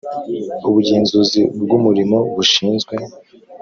Ubugenzuzi bw umurimo bushinzwe